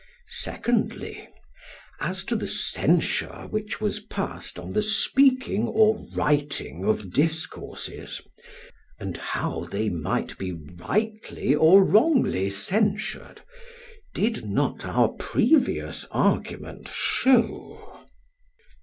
SOCRATES: Secondly, as to the censure which was passed on the speaking or writing of discourses, and how they might be rightly or wrongly censured did not our previous argument show